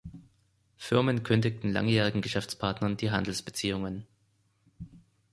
Firmen kündigten langjährigen Geschäftspartnern die Handelsbeziehungen.